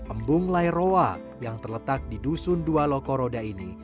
embung lairoa yang terletak di dusun dua lokoroda ini